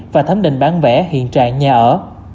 và thấm định bán vẽ hiện trạng nhà ở